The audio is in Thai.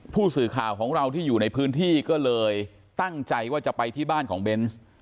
ผู้สื่อข่าวของเราที่อยู่ในพื้นที่ก็เลยตั้งใจว่าจะไปที่บ้านของเบนส์